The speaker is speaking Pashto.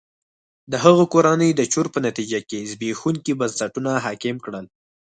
د هغه کورنۍ د چور په نتیجه کې زبېښونکي بنسټونه حاکم کړل.